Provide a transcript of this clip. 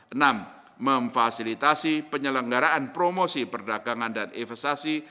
enam memfasilitasi penyelenggaraan promosi perdagangan dan investasi